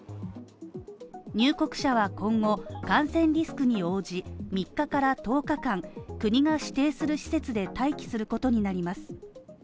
入国者は今後、感染リスクに応じ、３日から１０日間、国が指定する施設で待機することになります。